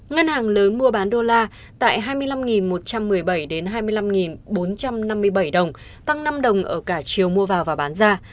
ngân hàng lớn mua bán đô la tại hai mươi năm một trăm một mươi bảy hai mươi năm bốn trăm năm mươi bảy đồng tăng năm đồng ở cả chiều mua vào và bán ra